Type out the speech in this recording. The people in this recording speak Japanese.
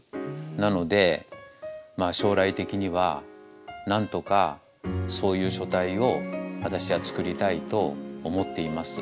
なので将来的にはなんとかそういう書体を私は作りたいと思っています。